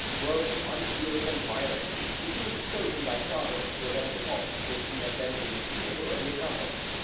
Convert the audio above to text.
Gross, unfeeling, and violent, he seemed chosen by Providence to avenge the faults of which he had been the instigator or the accomplice.